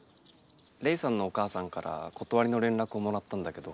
レイさんのお母さんからことわりの連絡をもらったんだけど。